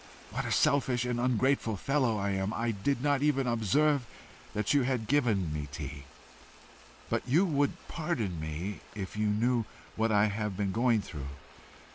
What a selfish and ungrateful fellow I am! I did not even observe that you had given me tea! But you would pardon me if you knew what I have been going through.